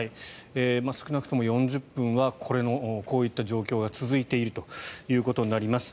少なくとも４０分はこういった状態が続いているということになります。